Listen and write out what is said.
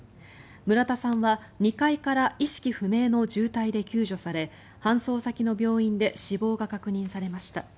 村田さんは２階から意識不明の重体で救助され搬送先の病院で死亡が確認されました。